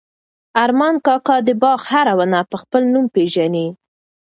ارمان کاکا د باغ هره ونه په خپل نوم پېژني.